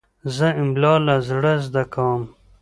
زه املا له زړه زده کوم.